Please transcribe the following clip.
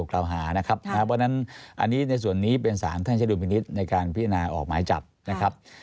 เพราะฉะนั้นอันนี้ในส่วนนี้เป็นสารท่านใช้ดุลพินิษฐ์ในการพิจารณาออกหมายจับนะครับ